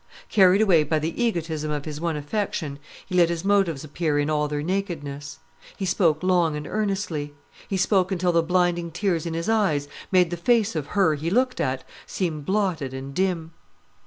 Carried away by the egotism of his one affection, he let his motives appear in all their nakedness. He spoke long and earnestly; he spoke until the blinding tears in his eyes made the face of her he looked at seem blotted and dim.